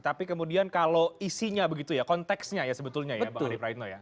tapi kemudian kalau isinya begitu ya konteksnya ya sebetulnya ya pak arief raitno ya